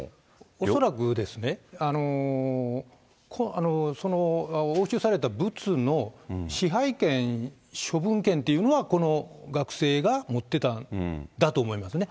恐らくですね、押収されたぶつの支配権、処分権というのは、この学生が持ってたんだと思いますね。